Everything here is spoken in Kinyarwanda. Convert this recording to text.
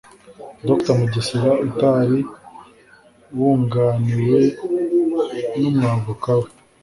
Dr Mugesera utari wunganiwe n’umwavoka we